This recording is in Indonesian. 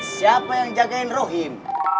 siapa yang jagain rohim